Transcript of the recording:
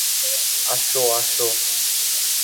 আসো, আসো!